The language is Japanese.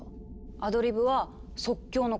アドリブは「即興」のこと。